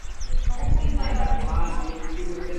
A veces se decoran con almendras laminadas en su superficie.